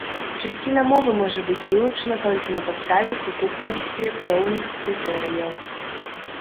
Часціна мовы можа быць вылучана толькі на падставе сукупнасці пэўных крытэрыяў.